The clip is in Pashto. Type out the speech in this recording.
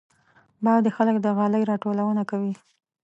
بعضې خلک د غالۍ راټولونه کوي.